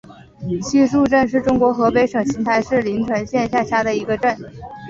西竖镇是中国河北省邢台市临城县下辖的一个镇。